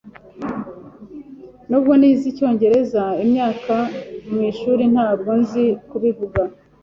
Nubwo nize icyongereza imyaka mwishuri, ntabwo nzi kubivuga.